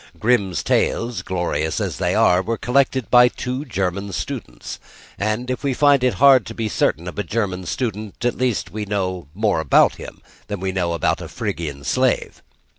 Grimm's Tales, glorious as they are, were collected by two German students. And if we find it hard to be certain of a German student, at least we know more about him than We know about a Phrygian slave.